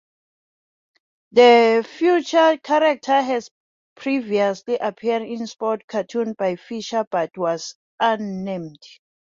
The featured character had previously appeared in sports cartoons by Fisher, but was unnamed.